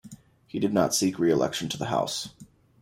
He did not seek re-election to the House.